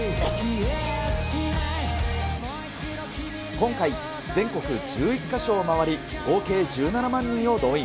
今回、全国１１か所を回り、合計１７万人を動員。